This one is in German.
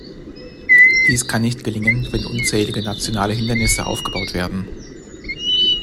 Dies kann nicht gelingen, wenn unzählige nationale Hindernisse aufgebaut werden.